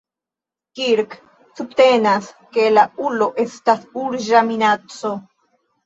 Kirk subtenas, ke la ulo estas urĝa minaco.